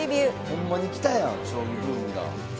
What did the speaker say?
ほんまに来たやん将棋ブームが。